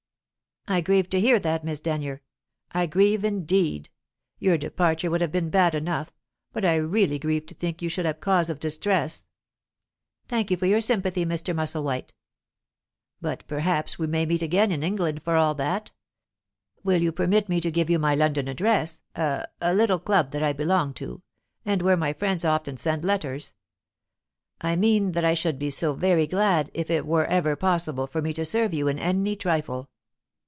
"I grieve to hear that, Miss Denyer; I grieve indeed. Your departure would have been bad enough, but I really grieve to think you should have cause of distress." "Thank you for your sympathy, Mr. Musselwhite." "But perhaps we may meet again in England, for all that? Will you permit me to give you my London address a a little club that I belong to, and where my friends often send letters? I mean that I should be so very glad if it were ever possible for me to serve you in any trifle.